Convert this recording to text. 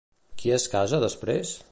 Qui es casa després?